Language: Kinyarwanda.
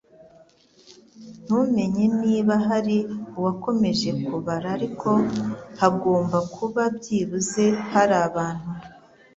Ntumenye niba hari uwakomeje kubara ariko hagomba kuba byibuze hari abantu